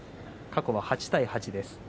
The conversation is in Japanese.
過去８対８です。